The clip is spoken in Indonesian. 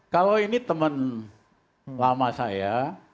kalau ini teman lama saya